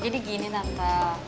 jadi gini tante